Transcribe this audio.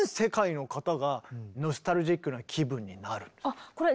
あっこれ